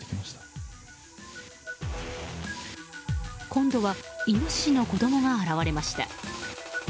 今度はイノシシの子供が現れました。